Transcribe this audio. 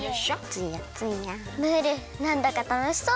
ツヤツヤムールなんだかたのしそう！